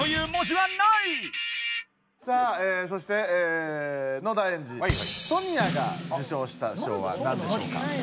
さあそして野田エンジソニアが受賞した賞はなんでしょうか？